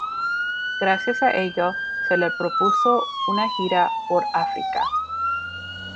Gracias a ello se le propuso una gira por África.